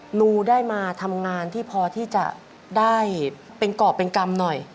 หนูได้มาทำงานที่พอที่จะได้เป็นกรอบเป็นกรรมหน่อย